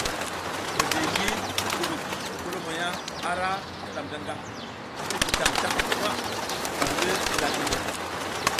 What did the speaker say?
Mizli ngi guɗuk golomoya ara kiɗam gangaŋ ti gǝdaŋ taŋ nwa ɓa ngi ɓula ginew.